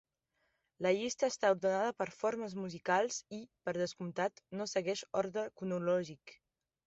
La llista està ordenada per formes musicals i, per descomptat, no segueix ordre cronològic.